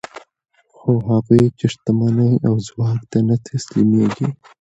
خو هغوی چې شتمنۍ او ځواک ته نه تسلیمېږي